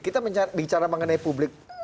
kita bicara mengenai publik